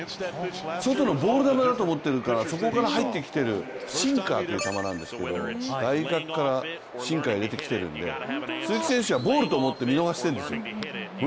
外のボール球だと思ってるからそこから入ってきてるシンカーという球なんですけど、外角からシンカー入れてきているんで鈴木選手はボールと思って見逃してるんですよ。